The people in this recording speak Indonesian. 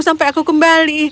sampai aku kembali